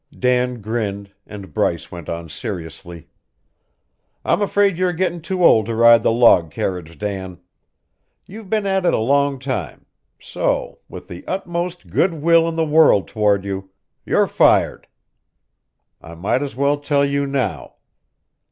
Dan grinned, and Bryce went on seriously: "I'm afraid you're getting too old to ride the log carriage, Dan. You've been at it a long time; so, with the utmost good will in the world toward you, you're fired. I might as well tell you now.